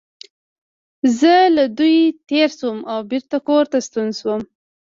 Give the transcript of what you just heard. زه له دوی تېر شوم او بېرته کور ته ستون شوم.